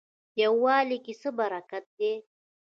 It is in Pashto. یووالي کې څه برکت دی؟